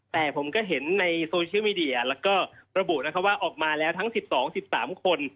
แต่ผมก็เห็นในโซเชียลมีเดียแล้วก็ระบุนะครับว่าออกมาแล้วทั้ง๑๒๑๓คน